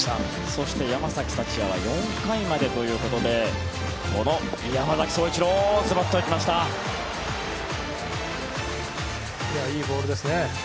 そして山崎福也は４回までということでこの山崎颯一郎いいボールですね。